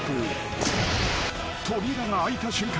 ［扉が開いた瞬間